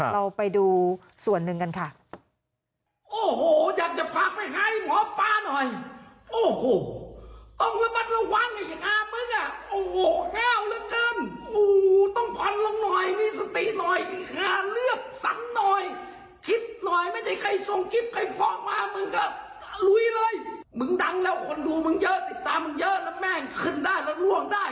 เราไปดูส่วนหนึ่งกันค่ะ